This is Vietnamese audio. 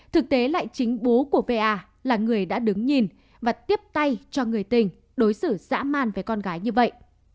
thực tế lại chính bố của vr là người đã đứng nhìn và tiếp tay cho người tình đối xử dã man với con gái như vậy